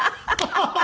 ハハハハ！